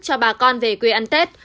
cho bà con về quê ăn tết